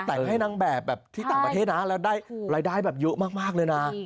แต่งให้นางแบบแบบที่ต่างประเทศนะแล้วได้รายได้แบบเยอะมากเลยนะ